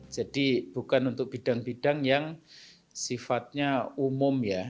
jadi bukan untuk bidang bidang yang sifatnya umum ya